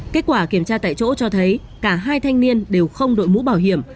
kết quả kiểm tra tại chỗ cho thấy cả hai thanh niên đều không đội mũ bảo hiểm